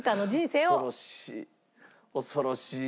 恐ろしい。